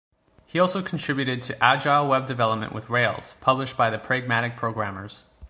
He also contributed to "Agile Web Development with Rails", published by The Pragmatic Programmers.